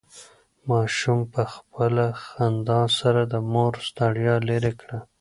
ماشوم په خپله خندا سره د مور ستړیا لرې کړه.